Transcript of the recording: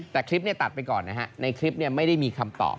แต่คลิปนี้ตัดไปก่อนนะฮะในคลิปไม่ได้มีคำตอบ